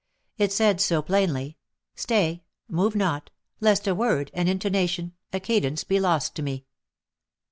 It said so plainly, " Stay !— move not !— lest a word, an intona tion, a cadence, be lost to me